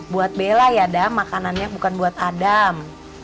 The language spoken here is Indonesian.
buat bella ya dah makanannya bukan buat adam